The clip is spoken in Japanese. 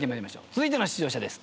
続いての出場者です。